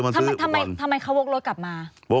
ทำไมเขาวกรถกลับมา